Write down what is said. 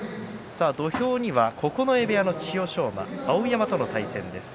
土俵には九重部屋の千代翔馬碧山との対戦です。